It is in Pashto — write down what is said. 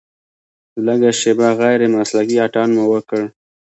لږه شېبه غیر مسلکي اتڼ مو وکړ.